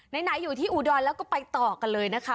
ไหนอยู่ที่อุดรแล้วก็ไปต่อกันเลยนะคะ